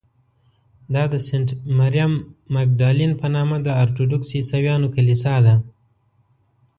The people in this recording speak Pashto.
دا د سینټ مریم مګدالین په نامه د ارټوډکس عیسویانو کلیسا ده.